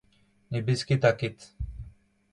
ne besketa ket.